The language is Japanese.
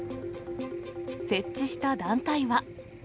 設置した団体は。